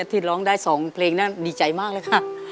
ที่ร้องได้๒เพลงนั้นดีใจมากเลยค่ะ